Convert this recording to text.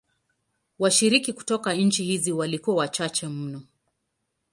Washiriki kutoka nchi hizi walikuwa wachache mno.